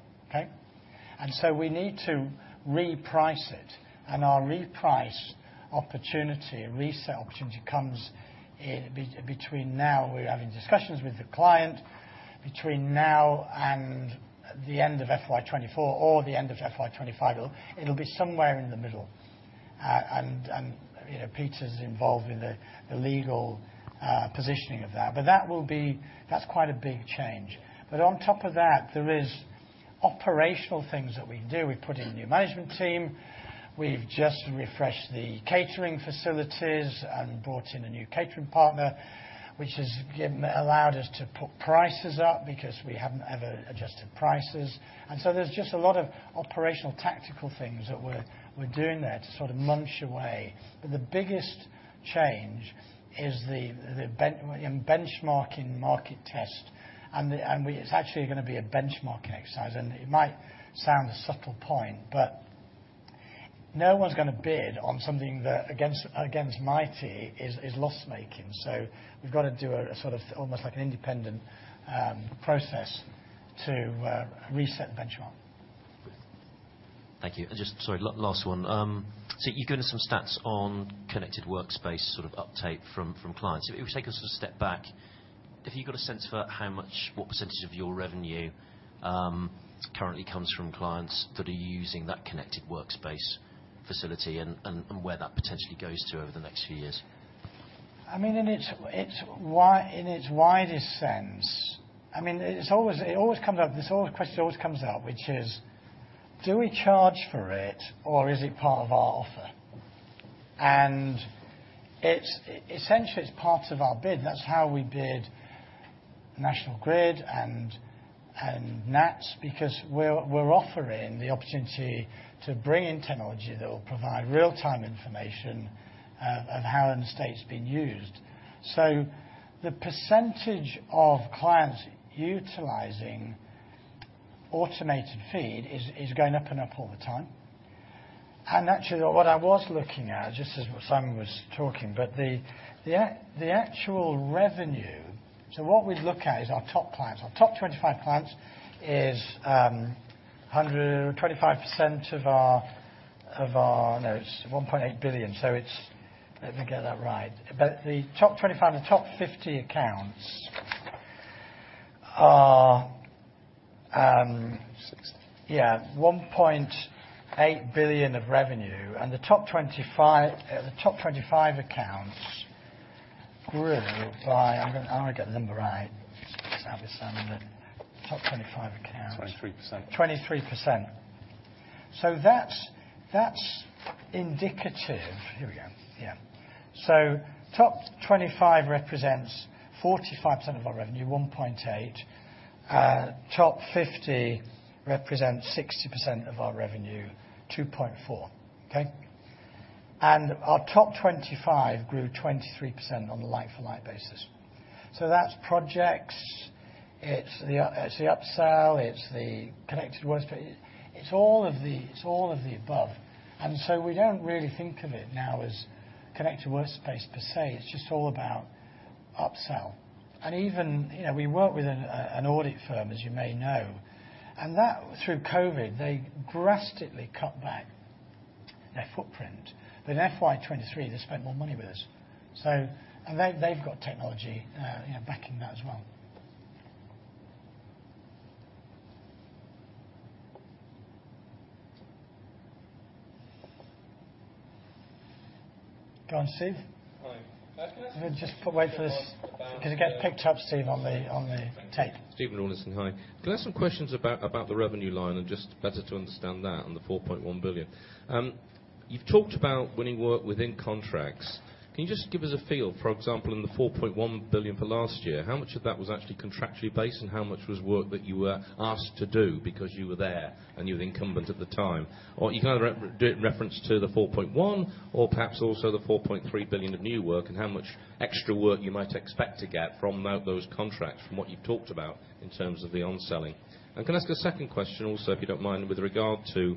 We need to reprice it, and our reprice opportunity, reset opportunity, comes in between now, we're having discussions with the client, between now and the end of FY 2024 or the end of FY 2025. It'll be somewhere in the middle. You know, Peter's involved in the legal positioning of that. That's quite a big change. On top of that, there is operational things that we can do. We've put in a new management team. We've just refreshed the catering facilities and brought in a new catering partner, which has allowed us to put prices up because we haven't ever adjusted prices. There's just a lot of operational tactical things that we're doing there to sort of munch away. The biggest change is the benchmarking market test. It's actually gonna be a benchmarking exercise, and it might sound a subtle point, but no one's gonna bid on something that against Mitie is loss-making. We've got to do a sort of almost like an independent process to reset the benchmark. Thank you. Sorry, last one. You've given us some stats on connected workspace, sort of uptake from clients. If you take a sort of step back, have you got a sense for how much, what percentage of your revenue currently comes from clients that are using that connected workspace facility, and where that potentially goes to over the next few years? I mean, in its widest sense, it always comes up, this question always comes up, which is: do we charge for it, or is it part of our offer? It's, essentially, it's part of our bid. That's how we bid National Grid and NATS, because we're offering the opportunity to bring in technology that will provide real-time information of how an estate's being used. The percentage of clients utilizing automated feed is going up and up all the time. Actually, what I was looking at, just as Simon was talking, but the actual revenue, what we'd look at is our top clients. Our top 25 clients is 125% of our. No, it's 1.8 billion. Let me get that right. The top 25 to top 50 accounts are. Six. Yeah, 1.8 billion of revenue, and the top 25 accounts really by... I'm gonna get the number right. Just have a look at something. Top 25 accounts. 23%. That's, that's indicative. Here we go. Yeah. Top 25 represents 45% of our revenue, 1.8. Top 50 represents 60% of our revenue, 2.4. Okay? Our top 25 grew 23% on a like-for-like basis. That's projects, it's the upsell, it's the connected workspace. It's all of the above, we don't really think of it now as connected workspace per se. It's just all about upsell. Even, you know, we work with an audit firm, as you may know, and that, through COVID, they drastically cut back their footprint. In FY 2023, they spent more money with us. They've got technology, you know, backing that as well. Go on, Steve. Hi. Just put wait for this. Um, uh- Gonna get picked up, Steve, on the tape. Stephen Rawlinson, hi. Can I ask some questions about the revenue line, and just better to understand that on the 4.1 billion? You've talked about winning work within contracts. Can you just give us a feel, for example, in the 4.1 billion for last year, how much of that was actually contractually based, and how much was work that you were asked to do because you were there and you were incumbent at the time, or you can either do it in reference to the 4.1 billion, or perhaps also the 4.3 billion of new work, and how much extra work you might expect to get from out those contracts, from what you've talked about in terms of the onselling? Can I ask a second question also, if you don't mind, with regard to,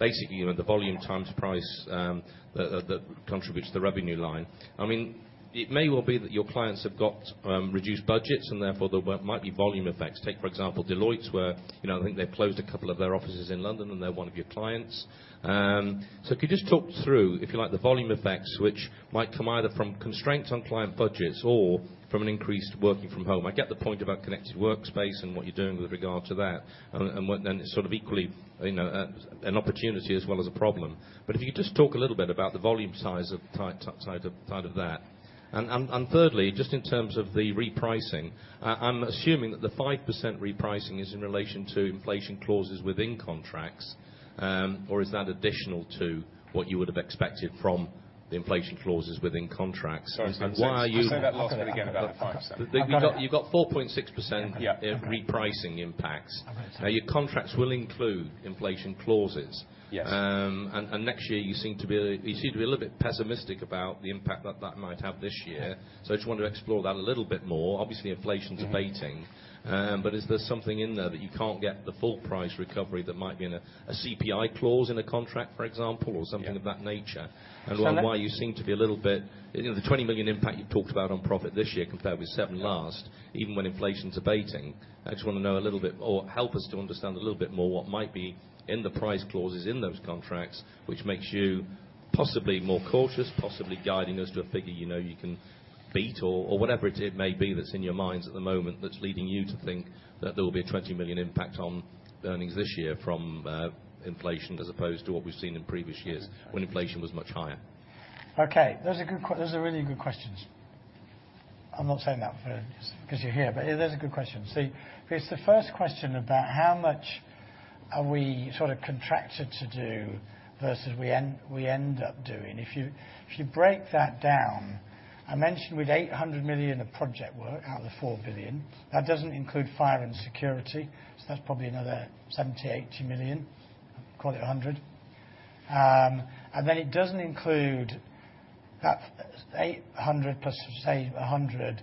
basically, you know, the volume times price, that contributes to the revenue line? I mean, it may well be that your clients have got reduced budgets, and therefore there might be volume effects. Take, for example, Deloitte, where, you know, I think they've closed a couple of their offices in London, and they're one of your clients. Could you just talk through, if you like, the volume effects, which might come either from constraints on client budgets or from an increased working from home? I get the point about connected workspace and what you're doing with regard to that, and what then it's sort of equally, you know, an opportunity as well as a problem. If you could just talk a little bit about the volume size of, side of that. Thirdly, just in terms of the repricing, I'm assuming that the 5% repricing is in relation to inflation clauses within contracts, or is that additional to what you would have expected from the inflation clauses within contracts? Sorry, say- Why are? Say that last bit again, about the 5%? You've got 4.6%. Yeah. repricing impacts. I got you. Your contracts will include inflation clauses. Yes. Next year you seem to be a little bit pessimistic about the impact that that might have this year. Yeah. I just want to explore that a little bit more. Obviously, inflation's abating. Mm-hmm. Is there something in there that you can't get the full price recovery that might be in a CPI clause in a contract, for example? Yeah... or something of that nature? Simon- Why you seem to be a little bit, you know, the 20 million impact you talked about on profit this year, compared with 7 million last, even when inflation's abating. I just want to know a little bit, or help us to understand a little bit more, what might be in the price clauses in those contracts, which makes you possibly more cautious, possibly guiding us to a figure you know you can beat, or whatever it may be that's in your minds at the moment, that's leading you to think that there will be a 20 million impact on earnings this year from inflation, as opposed to what we've seen in previous years, when inflation was much higher. Okay, those are really good questions. I'm not saying that for, 'cause you're here, but those are good questions. See, it's the first question about how much are we sort of contracted to do versus we end up doing. If you break that down, I mentioned we'd 800 million of project work out of the 4 billion. That doesn't include fire and security, so that's probably another 70 million-80 million. Call it 100 million. And then it doesn't include. That 800 million, plus say 100 million,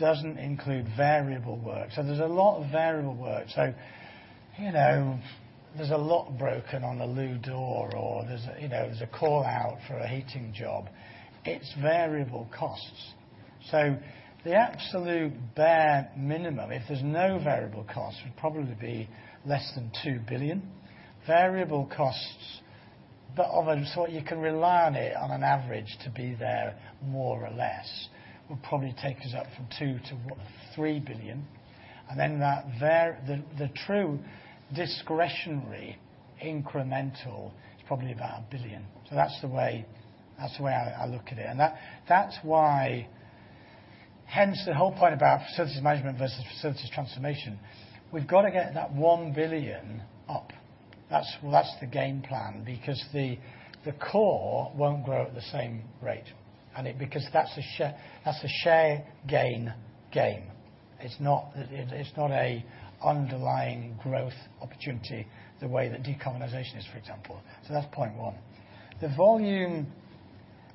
doesn't include variable work. There's a lot of variable work. You know, there's a lot broken on the loo door, or there's a, you know, there's a call out for a heating job. It's variable costs. The absolute bare minimum, if there's no variable cost, would probably be less than 2 billion. Variable costs, but of a sort, you can rely on it on an average to be there, more or less, would probably take us up from 2 billion to, what, 3 billion. That the true discretionary incremental is probably about 1 billion. That's the way, that's the way I look at it, and that's why. Hence, the whole point about facilities management versus facilities transformation. We've got to get that 1 billion up. That's, well, that's the game plan, because the core won't grow at the same rate, and because that's a share, that's a share gain. It's not a, it's not a underlying growth opportunity the way that decarbonization is, for example. That's point 1.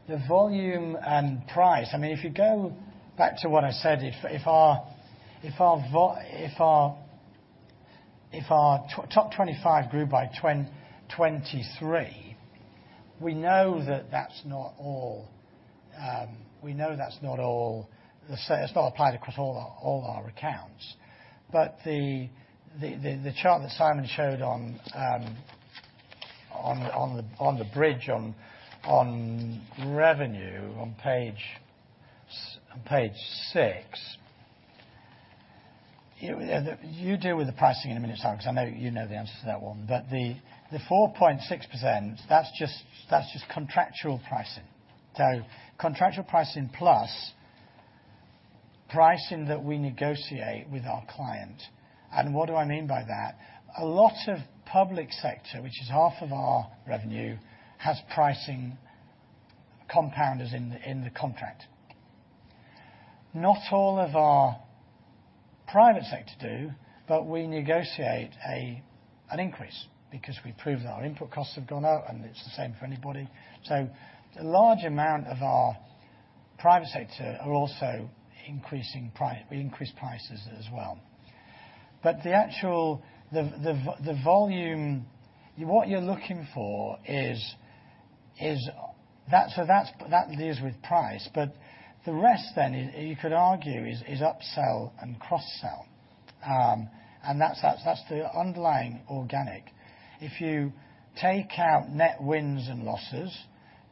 The volume and price, I mean, if you go back to what I said, if our top 25 grew by 23, we know that that's not all. We know that's not all. It's not applied across all our accounts. The chart that Simon showed on the bridge, on revenue, on page 6. You deal with the pricing in a minute, Simon, 'cause I know you know the answer to that one. The 4.6%, that's just contractual pricing. Contractual pricing plus pricing that we negotiate with our client. What do I mean by that? A lot of public sector, which is half of our revenue, has pricing compounders in the contract. Not all of our private sector do, but we negotiate an increase because we prove that our input costs have gone up, and it's the same for anybody. The large amount of our private sector are also increasing price. We increase prices as well. The actual volume, what you're looking for is that. That's, that deals with price. The rest then, you could argue, is upsell and cross-sell. That's the underlying organic. If you take out net wins and losses,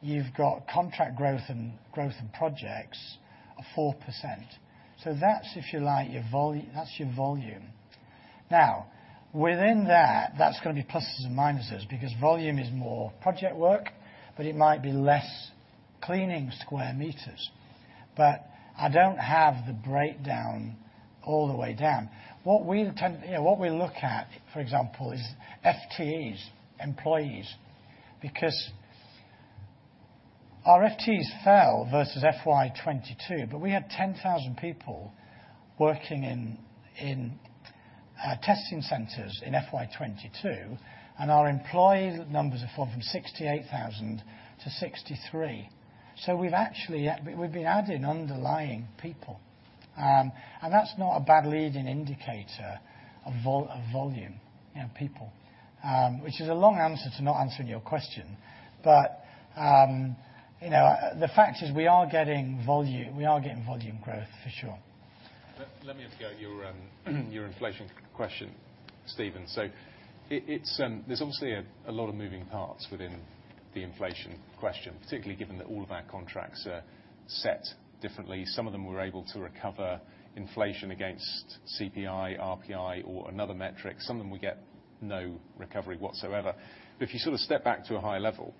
you've got contract growth and growth in projects of 4%. That's, if you like, that's your volume. Within that's gonna be pluses and minuses, because volume is more project work, but it might be less cleaning square meters. I don't have the breakdown all the way down. You know, what we look at, for example, is FTEs, employees, because our FTEs fell versus FY22, but we had 10,000 people working in testing centers in FY22, and our employee numbers have fallen from 68,000 to 63. We've actually been adding underlying people. And that's not a bad leading indicator of volume, you know, people. Which is a long answer to not answering your question. You know, the fact is, we are getting volume, we are getting volume growth, for sure. Let me have a go at your inflation question, Stephen. There's obviously a lot of moving parts within the inflation question, particularly given that all of our contracts are set differently. Some of them we're able to recover inflation against CPI, RPI, or another metric. Some of them we get no recovery whatsoever. If you sort of step back to a higher level,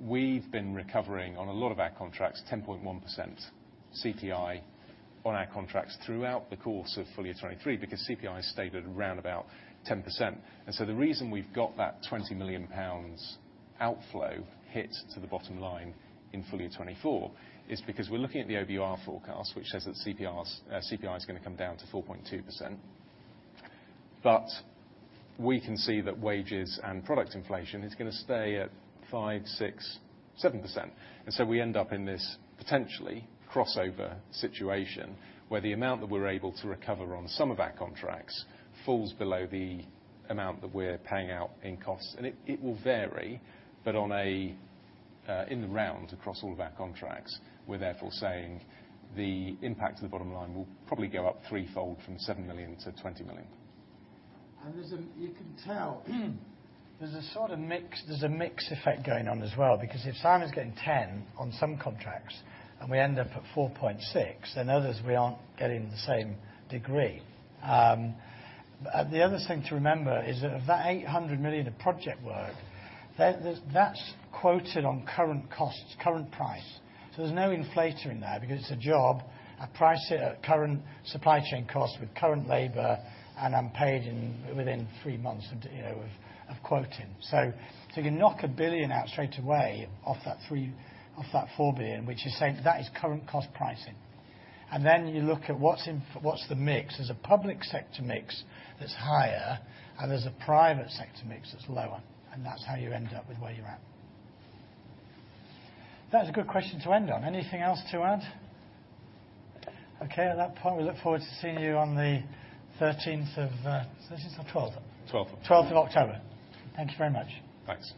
we've been recovering on a lot of our contracts, 10.1% CPI on our contracts throughout the course of full year 2023, because CPI stayed at around about 10%. The reason we've got that 20 million pounds outflow hit to the bottom line in fully of 2024, is because we're looking at the OBR forecast, which says that CPI's gonna come down to 4.2%. We can see that wages and product inflation is gonna stay at 5%, 6%, 7%, and so we end up in this potentially crossover situation, where the amount that we're able to recover on some of our contracts falls below the amount that we're paying out in costs. It will vary, but on a in the round, across all of our contracts, we're therefore saying the impact to the bottom line will probably go up threefold from 7 million to 20 million. You can tell, there's a sort of mix, there's a mix effect going on as well, because if Simon's getting 10 on some contracts, and we end up at 4.6, then others, we aren't getting the same degree. The other thing to remember is that of that 800 million of project work, that's quoted on current costs, current price. There's no inflator in there because it's a job, a price at current supply chain cost, with current labor, and I'm paid in within 3 months of, you know, of quoting. You can knock 1 billion out straight away off that 4 billion, which is saying that is current cost pricing. Then you look at what's in, what's the mix? There's a public sector mix that's higher, and there's a private sector mix that's lower, and that's how you end up with where you're at. That's a good question to end on. Anything else to add? Okay, at that point, we look forward to seeing you on the 13th of, 13th or 12th? 12th. 12th October. Thank you very much. Thanks.